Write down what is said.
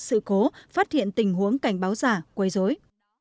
sự cố phát hiện tình huống cảnh báo giả quấy dối